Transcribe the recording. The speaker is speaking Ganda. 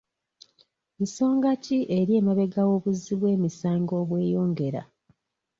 Nsonga ki eri emabega w'obuzzi bw'emisango obweyongera?